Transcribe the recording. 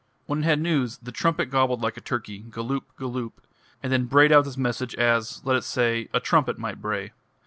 When it had news the trumpet gobbled like a turkey, "Galloop, galloop," and then brayed out its message as, let us say, a trumpet might bray.